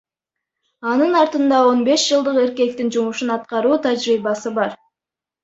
Анын артында он беш жылдык эркектин жумушун аткаруу тажрыйбасы бар.